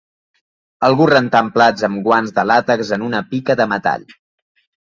Algú rentant plats amb guants de làtex en una pica de metall.